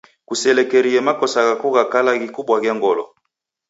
Kuselekerie makosa ghako gha kala ghikubwaghe ngolo.